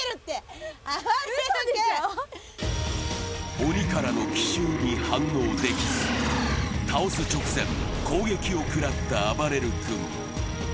鬼からの奇襲に反応できず、倒す直前、攻撃を食らったあばれる君。